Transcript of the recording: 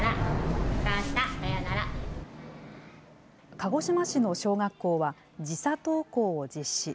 鹿児島市の小学校は、時差登校を実施。